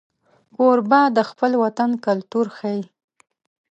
کوربه د خپل وطن کلتور ښيي.